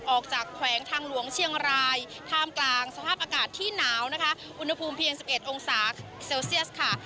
แขวงทางหลวงเชียงรายท่ามกลางสภาพอากาศที่หนาวนะคะอุณหภูมิเพียง๑๑องศาเซลเซียสค่ะ